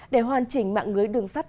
để hoàn chỉnh mạng ngưới đường sắt đô tiền